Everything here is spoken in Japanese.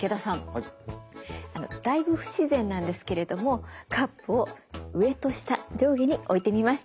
だいぶ不自然なんですけれどもカップを上と下上下に置いてみました。